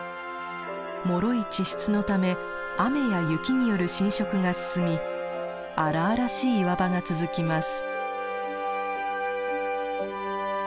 もろい地質のため雨や雪による浸食が進み荒々しい岩場が続きます。